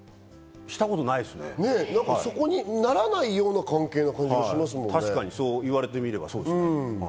そこにならないような関係な言われてみれば、そうですね。